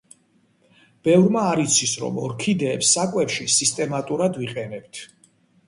ბევრმა არ იცის, რომ ორქიდეებს საკვებში სისტემატურად ვიყენებთ.